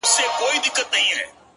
• سپینه ورځ یې توره شپه لیده په سترګو,